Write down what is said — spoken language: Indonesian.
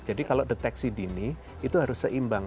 jadi kalau deteksi dini itu harus seimbang